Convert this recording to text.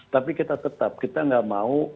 tapi kita tetap kita nggak mau